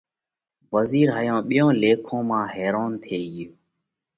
وزِير هائِيون ٻيئِيون ليکون مانه حيرونَ ٿي ڳيو۔